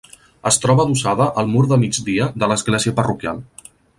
Es troba adossada al mur de migdia de l'església parroquial.